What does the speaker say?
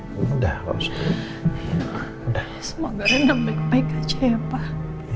semoga rena baik baik aja ya pak